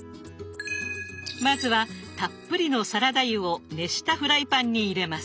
まずはたっぷりのサラダ油を熱したフライパンに入れます。